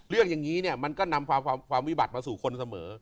เรื่องอย่างนี้มันก็นำความวิบัติมาสู่คนเสมอ